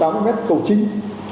một sáu trăm tám mươi m cầu chính